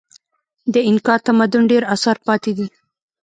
د اینکا تمدن ډېر اثار پاتې دي.